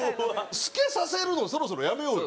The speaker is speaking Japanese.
透けさせるのそろそろやめようよ。